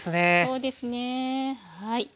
そうですねはい。